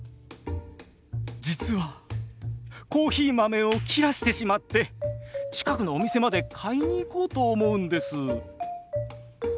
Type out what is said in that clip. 実はコーヒー豆を切らしてしまって近くのお店まで買いに行こうと思うんです。